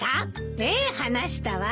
ええ話したわ。